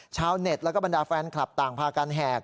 ชาวเน็ตแล้วก็บรรดาแฟนคลับต่างพากันแหก